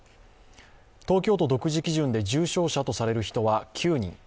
東京都独自基準で重症者とされる人は９人。